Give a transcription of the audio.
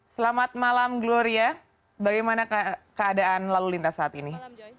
selamat malam gloria bagaimana keadaan lalu lintas saat ini